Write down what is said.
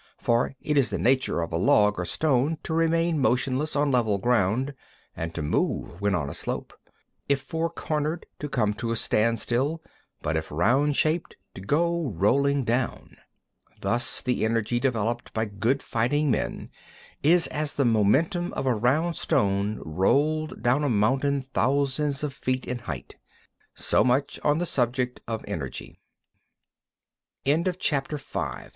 For it is the nature of a log or stone to remain motionless on level ground, and to move when on a slope; if four cornered, to come to a standstill, but if round shaped, to go rolling down. 23. Thus the energy developed by good fighting men is as the momentum of a round stone rolled down a mountain thousands of fee